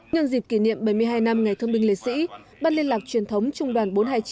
nhân dịp kỷ niệm bảy mươi hai năm ngày thương binh lễ sĩ ban liên lạc truyền thống trung đoàn bốn trăm hai mươi chín